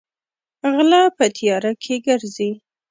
غلۀ پۀ تيارۀ کښې ګرځي ـ